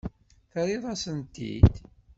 Terriḍ-as-tent-id.